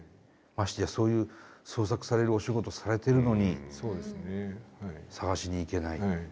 ましてやそういう捜索されるお仕事されてるのに捜しに行けない。